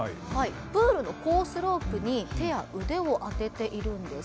プールのコースロープに手や腕を当てているんです。